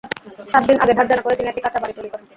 সাত দিন আগে ধারদেনা করে তিনি একটি কাঁচা বাড়ি তৈরি করেন।